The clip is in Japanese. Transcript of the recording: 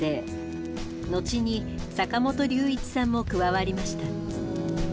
後に坂本龍一さんも加わりました。